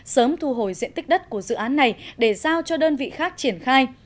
sớm thu hồi diện tích đất của dự án này để giao cho đơn vị khác triển khai